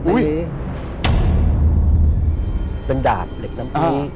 อุ๊ยเป็นดาบเหล็กน้ำกี้